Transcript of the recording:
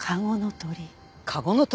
「籠の鳥」。